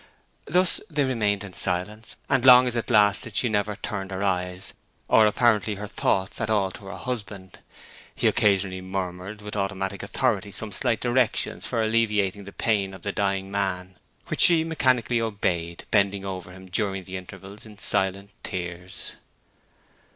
Thus they remained in silence, and long as it lasted she never turned her eyes, or apparently her thoughts, at all to her husband. He occasionally murmured, with automatic authority, some slight directions for alleviating the pain of the dying man, which she mechanically obeyed, bending over him during the intervals in silent tears.